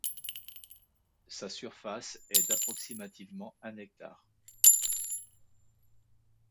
Sa surface est d'approximativement un hectare.